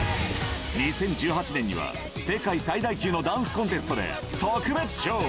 ２０１８年には、世界最大級のダンスコンテストで特別賞。